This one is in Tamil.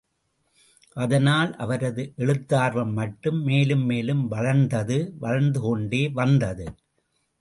அதனால் அவரது எழுத்தார்வம் மட்டும் மேலும் மேலும் வளர்ந்தது வளர்ந்து கொண்டே வந்தது.